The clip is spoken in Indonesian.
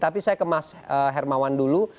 tapi saya ke mas hermawan dulu